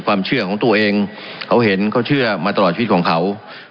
ความเชื่อของตัวเองเขาเห็นเขาเชื่อมาตลอดชีวิตของเขา